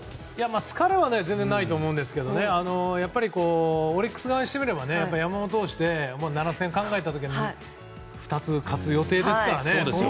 疲れは全然ないと思うんですけどオリックス側にしてみれば山本投手７戦考えた時に２つ勝つ予定ですからね。